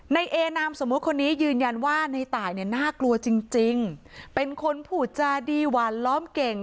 ในเอนามสมมุติคนนี้ยืนยันว่าในตายเนี่ยน่ากลัวจริงจริงเป็นคนผูจาดีหวานล้อมเก่ง